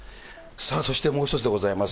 そしてもう一つでございます。